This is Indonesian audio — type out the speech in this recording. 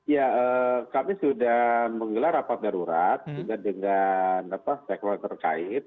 ya kami sudah menggelar rapat darurat juga dengan stakehol terkait